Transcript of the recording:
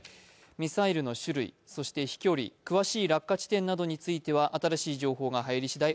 ミサイルの種類、そして飛距離詳しい落下地点については新しい情報が入りしだい